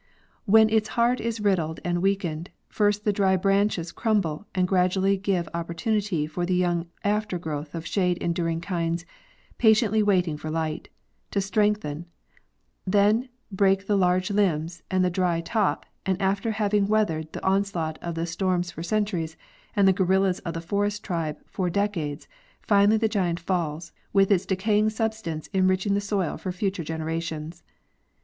When its heart is riddled and weakened, first the dry branches crumble and gradually give opportunity for the young aftergrowth of shade enduring kinds, patiently waiting for light, to strengthen; then break the large limbs and the dry top, and after having weathered the onslaught of the storms for centuries and the euerillas of the fungus tribe for decades, finally the giant falls, with its decaying substance enriching the soil for future generations.